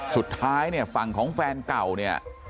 สุดท้ายเนี่ยฝั่งของแฟนเก่าเนี่ย